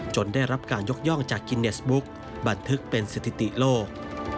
ได้รับการยกย่องจากกิเนสบุ๊กบันทึกเป็นสถิติโลก